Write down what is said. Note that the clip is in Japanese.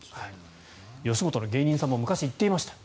吉本の芸人さんも昔、言っていました。